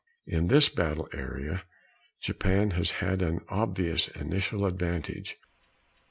In this battle area, Japan has had an obvious initial advantage.